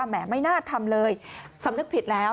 แหมไม่น่าทำเลยสำนึกผิดแล้ว